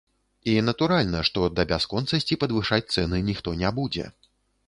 І натуральна, што да бясконцасці падвышаць цэны ніхто не будзе.